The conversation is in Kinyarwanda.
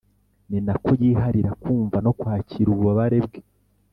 ni nako yiharira kumva no kwakira ububabare bwe